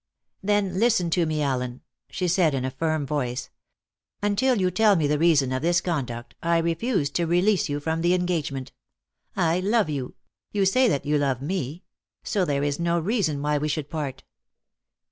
"Then listen to me, Allen," she said in a firm voice. "Until you tell me the reason of this conduct I refuse to release you from the engagement. I love you; you say that you love me; so there is no reason why we should part.